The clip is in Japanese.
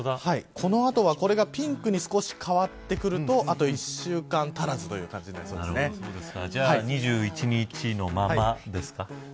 この後は、これがピンクに少し変わってくるとあと１週間足らずじゃあ、２１日のままですか。